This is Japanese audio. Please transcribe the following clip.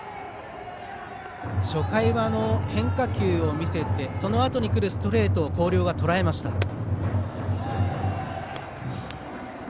初回は、変化球を見せてそのあとにくるストレートを広陵がとらえました。